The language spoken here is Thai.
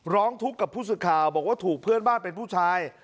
ร้องทุกข์กับผู้สื่อข่าวบอกว่าถูกเพื่อนบ้านเป็นผู้ชาย